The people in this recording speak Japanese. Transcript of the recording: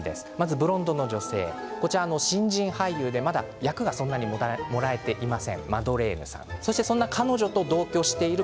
ブロンドの女性、新人俳優で役がそんなにもらえれていませんマドレーヌさん。